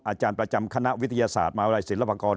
อาจารย์ประจำคณะวิทยาศาสตร์มหาวิทยาลัยศิลปากร